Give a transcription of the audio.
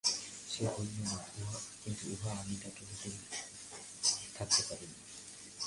সে বলল না, কিন্তু উহ, আমি তাকে হোটেলে থাকতে পারিনি।